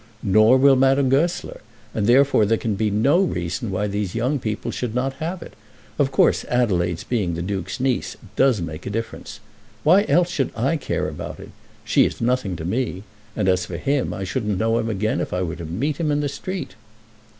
"Nor will Madame Goesler; and therefore there can be no reason why these young people should not have it. Of course Adelaide being the Duke's niece does make a difference. Why else should I care about it? She is nothing to me, and as for him, I shouldn't know him again if I were to meet him in the street."